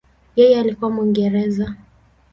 Yeye alikuwa Mwingereza.